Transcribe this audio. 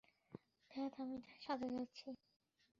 ধ্যাৎ আমি তার সাথে যাচ্ছি।